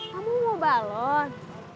kamu mau balon